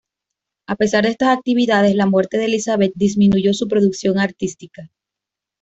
A pesar de estas actividades, la muerte de Elizabeth disminuyó su producción artística.